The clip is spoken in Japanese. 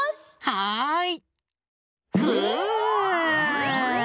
はい！